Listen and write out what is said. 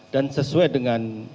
dan sesuai dengan